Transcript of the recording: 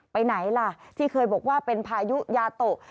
ไปไหนล่ะที่เคยบอกว่าเป็นพายุยาโตะ